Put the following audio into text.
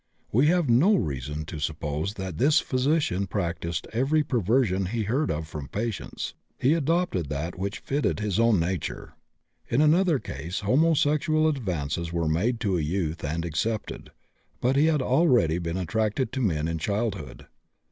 We have no reason to suppose that this physician practised every perversion he heard of from patients; he adopted that which fitted his own nature. In another case homosexual advances were made to a youth and accepted, but he had already been attracted to men in childhood.